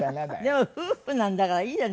でも夫婦なんだからいいじゃない。